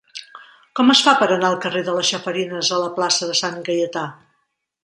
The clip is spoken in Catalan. Com es fa per anar del carrer de les Chafarinas a la plaça de Sant Gaietà?